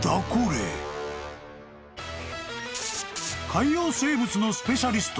［海洋生物のスペシャリスト